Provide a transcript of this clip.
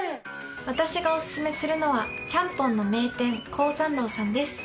私がお勧めするのは、ちゃんぽんの名店、江山楼さんです。